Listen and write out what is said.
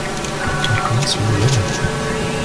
Ils connaissent la nouvelle ?